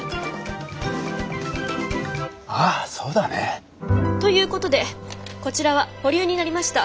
ああそうだね。ということでこちらは保留になりました。